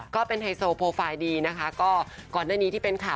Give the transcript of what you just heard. ก็เป็นไฮโซโปรไฟล์ดีนะคะก็ก่อนหน้านี้ที่เป็นข่าว